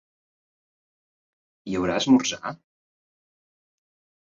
Hi haurà esmorzar?